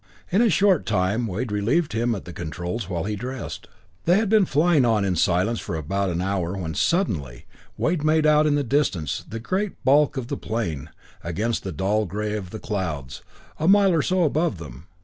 In a short time Wade relieved him at the controls while he dressed. They had been flying on in silence for about an hour, when suddenly Wade made out in the distance the great bulk of the plane, against the dull gray of the clouds, a mile or so above them.